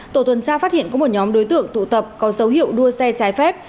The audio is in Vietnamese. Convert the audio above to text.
tổ tuần tra phát hiện có một nhóm đối tượng tụ tập có dấu hiệu đua xe trái phép